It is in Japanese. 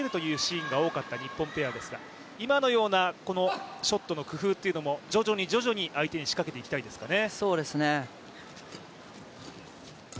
ことが多かった日本ペアですが、今のようなショットの工夫も徐々に相手に仕掛けていきたいですかね。